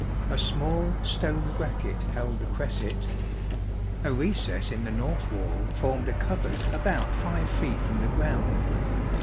A small stone bracket held the cresset. A recess in the north wall formed a cupboard about 5 feet from the ground.